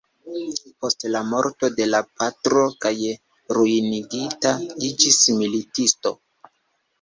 Post la morto de la patro kaj ruinigita, iĝis militisto.